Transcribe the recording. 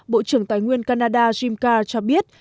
bộ trưởng tài nguyên canada jim carr cho biết